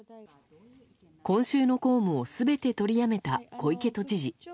今週の公務を全て取りやめた小池都知事。